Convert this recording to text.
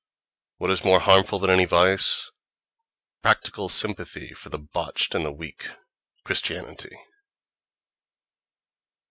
What is more harmful than any vice?—Practical sympathy for the botched and the weak—Christianity....